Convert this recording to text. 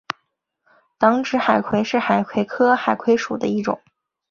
等指海葵是海葵科海葵属的一种。